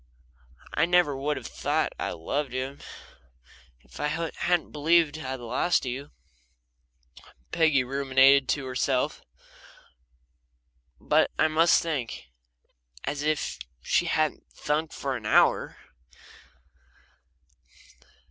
"I never would have thought I loved him if I hadn't believed I'd lost you," Peggy ruminated to herself. "But I must think " As if she hadn't thunk for an hour!